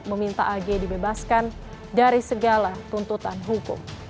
meminta ag dibebaskan dari segala tuntutan hukum